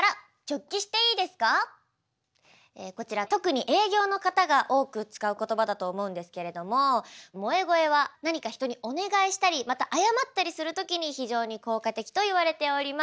こちら特に営業の方が多く使う言葉だと思うんですけれども萌え声は何か人にお願いしたりまた謝ったりするときに非常に効果的といわれております。